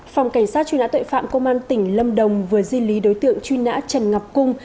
phòng cảnh sát truy nã tội phạm công an tỉnh lâm đồng vừa di lý đối tượng truy nã trần ngọc cung